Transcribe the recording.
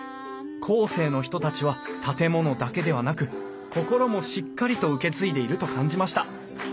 後世の人たちは建物だけではなく心もしっかりと受け継いでいると感じました。